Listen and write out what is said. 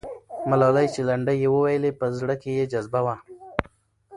ملالۍ چې لنډۍ یې وویلې، په زړه کې یې جذبه وه.